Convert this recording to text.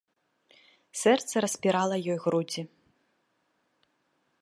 Сэрца распірала ёй грудзі.